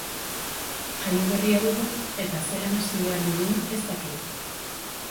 Jaioberria dugu eta zelan hazi behar dugun ez dakigu.